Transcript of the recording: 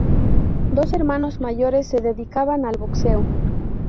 Dos hermanos mayores se dedicaban al boxeo.